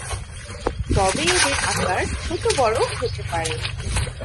তবে এদের আকার ছোট-বড় হতে পারে।